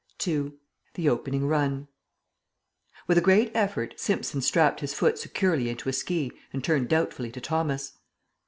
II. THE OPENING RUN With a great effort Simpson strapped his foot securely into a ski and turned doubtfully to Thomas.